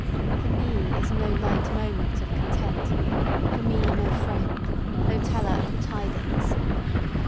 For me is no light moment of content, For me no friend, no teller of the tidings.